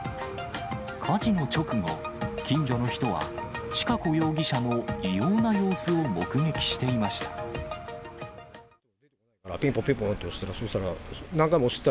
火事の直後、近所の人は千賀子容疑者の異様な様子を目撃していました。